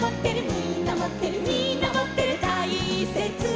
「みんなもってるみんなもってる」「たいせつなひ」